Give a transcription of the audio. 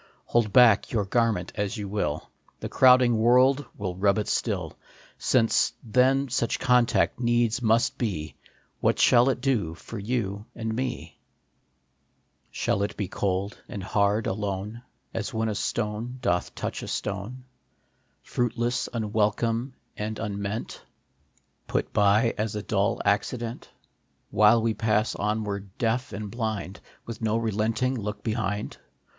Hold back your garment as you will, The crowding world will rub it still. Then, since such contact needs must be, What shall it do for you and me ? Shall it be cold and hard alone, As when a stone doth touch a stone, CONTACT. Fruitless, unwelcome, and unmeant, Put by as a dull accident, While we pass onward, deaf and blind, With no relenting look behind